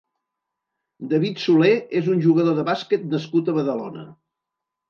David Solé és un jugador de bàsquet nascut a Badalona.